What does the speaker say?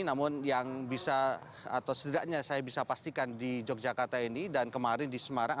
namun yang bisa atau setidaknya saya bisa pastikan di yogyakarta ini dan kemarin di semarang